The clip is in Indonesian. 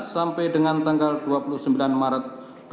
sampai dengan dua puluh sembilan maret dua ribu enam belas